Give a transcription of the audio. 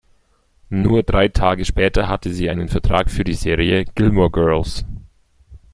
Nur drei Tage später hatte sie einen Vertrag für die Serie "Gilmore Girls".